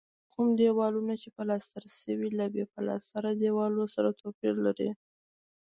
کوم دېوالونه چې پلستر شوي له بې پلستره دیوالونو سره توپیر لري.